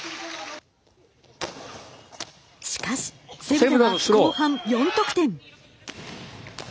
しかし、セブダは後半４得点。